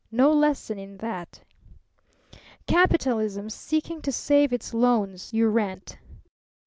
No lesson in that! "Capitalism, seeking to save its loans, you rant!